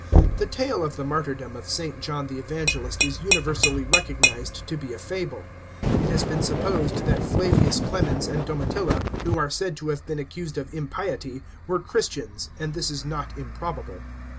The tale of the martyrdom of St. John the Evangelist is universally recognised to be a fable. It has been supposed that Fluvius Clemens and Domitilla, who are said to have been accused of " impiety ,"J were Christians, and this is not improbable.